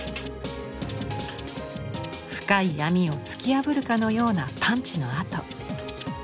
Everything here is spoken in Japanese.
深い闇を突き破るかのようなパンチの跡。